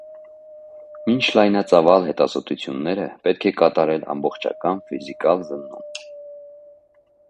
Մինչ լայնածավալ հետազոտությունները պետք է կատարել ամբողջական ֆիզիկալ զննում։